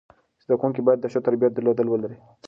زده کوونکي باید د ښه تربیت درلودل ولري.